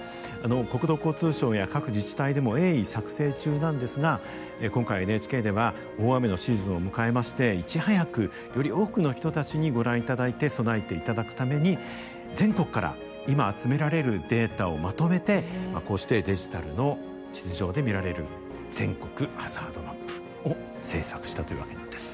国土交通省や各自治体でも鋭意作成中なんですが今回ＮＨＫでは大雨のシーズンを迎えましていち早くより多くの人たちにご覧いただいて備えていただくために全国から今集められるデータをまとめてこうしてデジタルの地図上で見られる全国ハザードマップを制作したというわけなんです。